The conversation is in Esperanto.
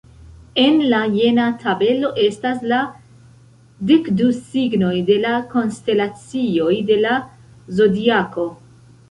En la jena tabelo estas la dekdu signoj de la konstelacioj de la zodiako.